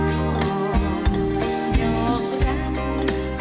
เสียงรัก